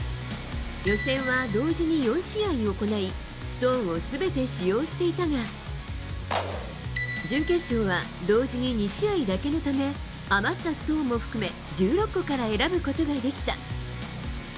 予選は同時に４試合行いストーンを全て使用していたが準決勝は同時に２試合だけのため余ったストーンも含め１６個から選ぶことができた。